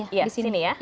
iya di sini ya